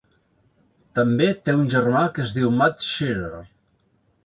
També té un germà que es diu Matt Shearer.